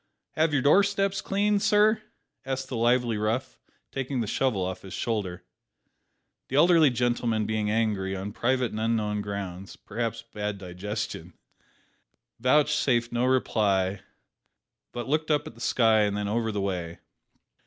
"Have your door steps cleaned, sir?" asked the lively rough, taking the shovel off his shoulder. The elderly gentleman being angry, on private and unknown grounds (perhaps bad digestion), vouchsafed no reply, but looked up at the sky and then over the way.